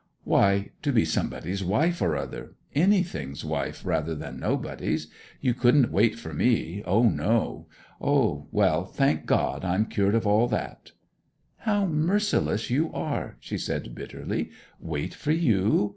'Why to be somebody's wife or other anything's wife rather than nobody's. You couldn't wait for me, O, no. Well, thank God, I'm cured of all that!' 'How merciless you are!' she said bitterly. 'Wait for you?